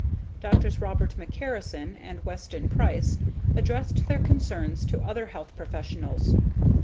Drs. Robert McCarrison and Weston Price addressed their concerns to other health professionals.